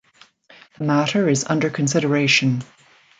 The matter is under consideration.